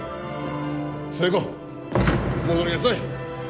寿恵子戻りなさい！